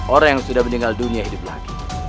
orang yang sudah meninggal dunia hidup lagi